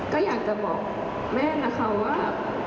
ก็อยากจะบอกแม่นะคะว่า